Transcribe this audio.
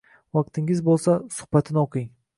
Vaqtingiz bo'lsa, suhbatini o'qing